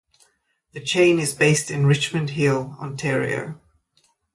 The chain is based in Richmond Hill, Ontario.